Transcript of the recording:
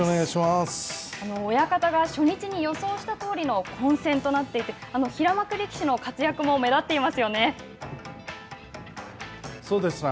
親方が初日に予想したとおりの混戦となっていて平幕力士の活躍も目立っていますそうですね。